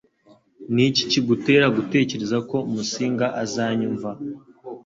Niki kigutera gutekereza ko Musinga azanyumva?